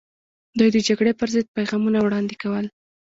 دوی د جګړې پر ضد پیغامونه وړاندې کول.